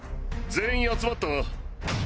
全員集まったな。